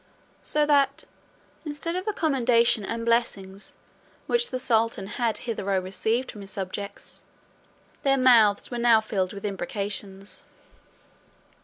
So that, instead of the commendation and blessings which the sultan had hitherto received from his subjects, their mouths were now filled with imprecations.